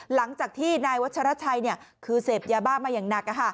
หลังจากที่นายวัชรชัยคือเสพยาบ้ามาอย่างหนัก